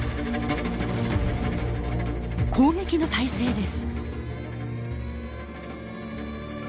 攻撃の態勢です。